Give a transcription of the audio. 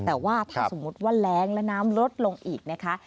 แต่ว่าถ้าสมมุติว่าแรงและน้ำลดลงอีกนะคะ